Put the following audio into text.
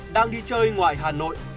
đang đi chơi ngoài hà nội